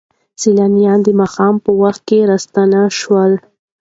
سیلانیان د ماښام په وخت کې راستانه شول.